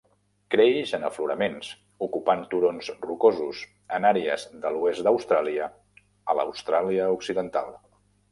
Creix en afloraments, ocupant turons rocosos, en àrees de l'oest d'Austràlia a l'Austràlia Occidental.